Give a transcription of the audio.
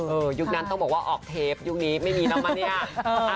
อืมยุคนั้นต้องบอกว่าออกเทปยุคนี้ไม่มีแล้วมานี้อ่ะ